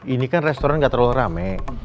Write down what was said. ini kan restoran nggak terlalu rame